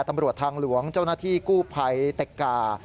ตำรวจทางหลวงเจ้าหน้าที่กู้ภัยเต็กกา